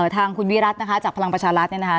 ทางคุณวิรัตินะคะจากพลังประชารัฐเนี่ยนะคะ